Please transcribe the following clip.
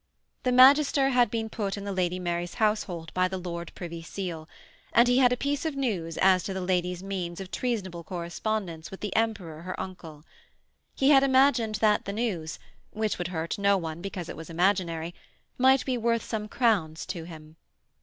The magister had been put in the Lady Mary's household by the Lord Privy Seal, and he had a piece of news as to the Lady's means of treasonable correspondence with the Emperor her uncle. He had imagined that the news which would hurt no one because it was imaginary might be worth some crowns to him.